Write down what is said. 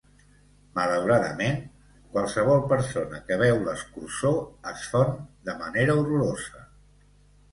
Malauradament, qualsevol persona que beu l'escurçó es fon de manera horrorosa.